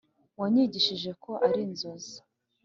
wanyigishije ko ari inzozi